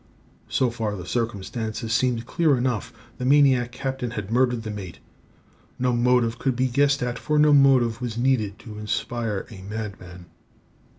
So far the circumstances seemed clear enough. The maniac captain had murdered the mate. No motive could be guessed at; for no motive was needed to inspire a madman.